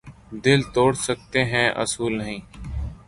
دل توڑ سکتے ہیں اصول نہیں